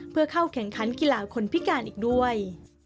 เพื่อเข้าแข่งขันกีฬาคนพิการอีกด้วย